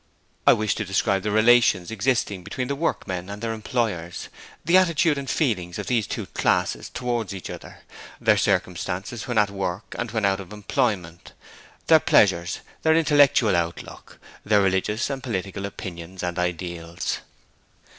I wished to describe the relations existing between the workmen and their employers, the attitude and feelings of these two classes towards each other; their circumstances when at work and when out of employment; their pleasures, their intellectual outlook, their religious and political opinions and ideals.